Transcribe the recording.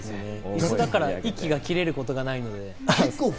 椅子だから息が切れることはないんで。